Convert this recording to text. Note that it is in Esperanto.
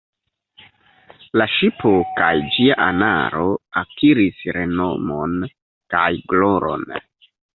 La ŝipo kaj ĝia anaro akiris renomon kaj gloron.